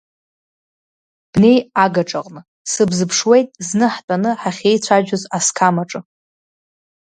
Бнеи агаҿаҟны, сыбзыԥшуеит зны ҳтәаны ҳахьеицәажәоз асқам аҿы.